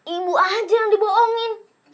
ibu aja yang diboongin